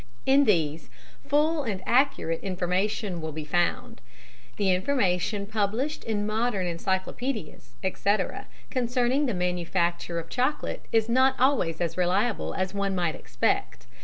In these, full and accurate information will be found. The information published in modern Encyclopædias, etc., concerning the manufacture of chocolate is not always as reliable as one might expect.